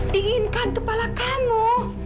dinginkan kepala kamu